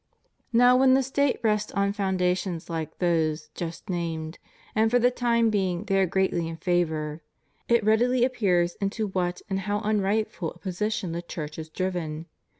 Now when the State rests on foundations like those just named — and for the time being they are greatly in favor — it readily appears into what and how unrightful a posi tion the Church is driven.